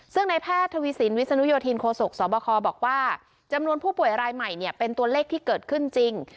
ซึ่งในแพทย์ทวีสินวิศนุโยธินโคศกสบคบอกว่าจำนวนผู้ป่วยรายใหม่เนี่ยเป็นตัวเลขที่เกิดขึ้นจริง